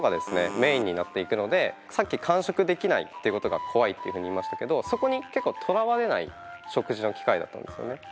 メインになっていくのでさっき完食できないってことが怖いっていうふうに言いましたけどそこに結構とらわれない食事の機会だったんですよね。